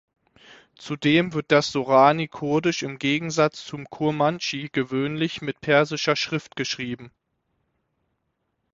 Zudem wird das Sorani-Kurdisch im Gegensatz zum Kurmandschi gewöhnlich mit persischer Schrift geschrieben.